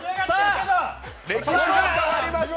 歴史が変わりました。